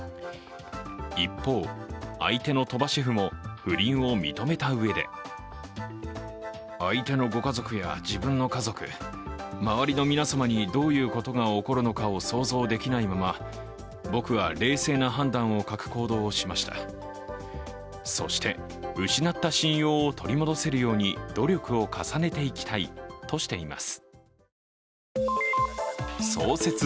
一方、相手の鳥羽シェフも不倫を認めたうえでそして、失った信用を取り戻せるように努力を重ねていきたいとしています。